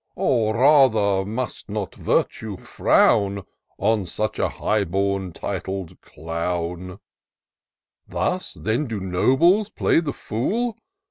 Or rather, must not virtue frown On such a high bom, titled clown ? Thus, then, do nobles play the fool